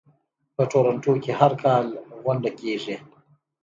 په تورنټو کې هر کال غونډه کیږي.